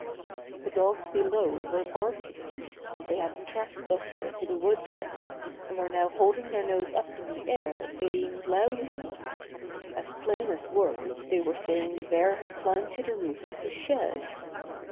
The dogs below were barking. They had tracked Buster to the woodshed, and were now holding their nose up in the air baying loudly. As plain as words they were saying the bear had climbed to the roof of the shed.